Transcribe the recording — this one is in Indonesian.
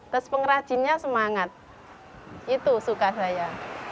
terus pengrajinnya semangat itu suka saya